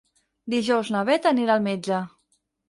Dijous na Bet anirà al metge.